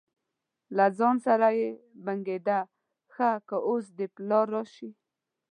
له ځانه سره یې بنګېده: ښه که اوس دې پلار راشي.